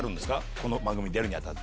この番組出るに当たって。